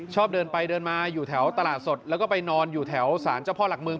ชอบเดินไปเดินมาอยู่แถวตลาดสดแล้วก็ไปนอนอยู่แถวสารเจ้าพ่อหลักเมือง